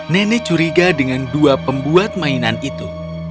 nenek curiga dengan dua pembuat mainan itu